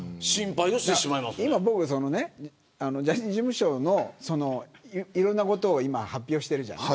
僕は今、ジャニーズ事務所のいろんなことを発表してるじゃない。